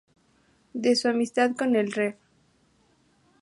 De su amistad con el Rev.